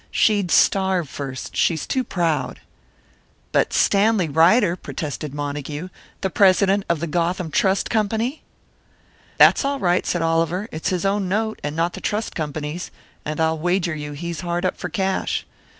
She'd starve first. She's too proud." "But Stanley Ryder!" protested Montague. "The president of the Gotham Trust Company!" "That's all right," said Oliver. "It's his own note, and not the Trust Company's; and I'll wager you he's hard up for cash.